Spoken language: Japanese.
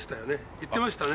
言ってましたね。